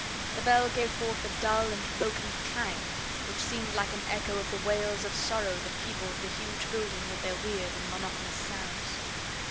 The bell gave forth a dull and broken clang, which seemed like an echo of the wails of sorrow that peopled the huge building with their weird and monotonous sounds.